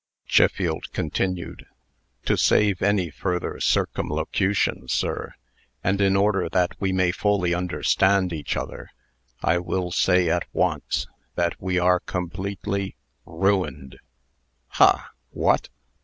Chiffield continued: "To save any further circumlocution, sir, and in order that we may fully understand each other, I will say at once, that we are completely ruined!" "Ha! What!